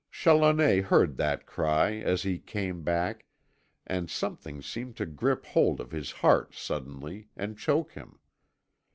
Challoner heard that cry as he came back, and something seemed to grip hold of his heart suddenly, and choke him.